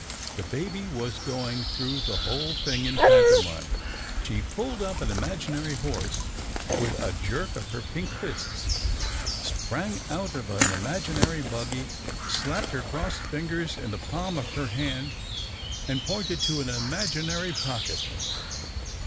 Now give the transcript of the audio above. The baby was going through the whole thing in pantomime. She pulled up an imaginary horse with a jerk of her pink fists, sprang out of an imaginary buggy, slapped her crossed fingers in the palm of her hand, and pointed to an imaginary pocket.